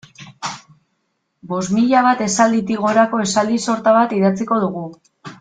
Bost mila bat esalditik gorako esaldi sorta bat idatziko dugu.